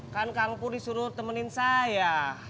kan kang pu disuruh temenin saya